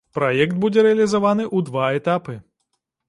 Праект будзе рэалізаваны ў два этапы.